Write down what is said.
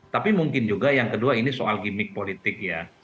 tapi mungkin juga yang kedua ini soal gimmick politik ya